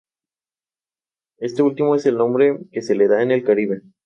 Y comienza la cacería.